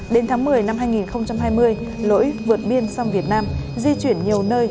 đến tháng một mươi năm hai nghìn hai mươi lỗi vượt biên sang việt nam di chuyển nhiều nơi